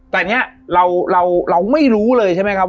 แต่เนี่ยเราไม่รู้เลยใช่ไหมครับ